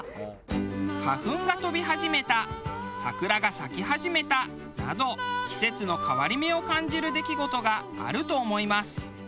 花粉が飛び始めた桜が咲き始めたなど季節の変わり目を感じる出来事があると思います。